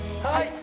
はい